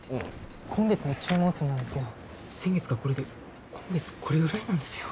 今月の注文数なんですけど先月がこれで今月これぐらいなんですよ。